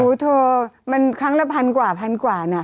โอ้โหเธอมันครั้งละพันกว่าพันกว่าน่ะ